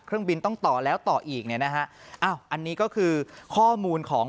เครื่องบินต้องต่อแล้วต่ออีกเนี่ยนะฮะอ้าวอันนี้ก็คือข้อมูลของ